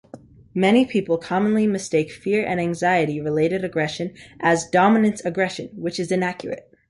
Many people commonly mistake fear and anxiety-related aggression as "dominance aggression," which is inaccurate.